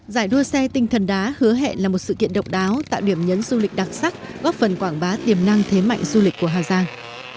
giải đua xe tinh thần đá hứa hẹn là một sự kiện độc đáo tạo điểm nhấn du lịch đặc sắc góp phần quảng bá tiềm năng thế mạnh du lịch của hà giang